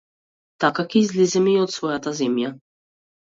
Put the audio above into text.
Така ќе излеземе и од својата земја.